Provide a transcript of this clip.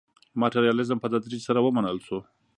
ماټریالیزم په تدریج سره ومنل شو.